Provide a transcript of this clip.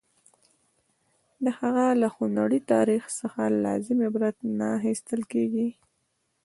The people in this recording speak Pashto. د هغه له خونړي تاریخ څخه لازم عبرت نه اخیستل کېږي.